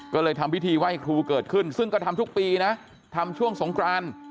ก็เลยทำพิธีไหว้ครูเกิดขึ้นซึ่งก็ทำทุกปีนะทำช่วงสงคราน